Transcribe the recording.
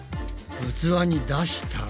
器に出したら。